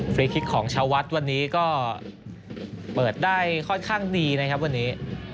รีคลิกของชาววัดวันนี้ก็เปิดได้ค่อนข้างดีนะครับวันนี้